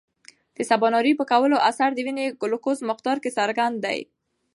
د سباناري نه کولو اثر د وینې ګلوکوز مقدار کې څرګند دی.